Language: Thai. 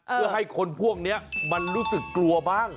เพื่อให้คนพวกนี้มันรู้สึกกลัวบ้าง